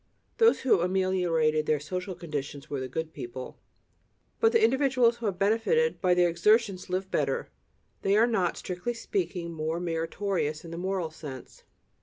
Those who ameliorated their social conditions were the good people. But the individuals who have benefited by their exertions "live better"; they are not, strictly speaking, "more meritorious" in the moral sense.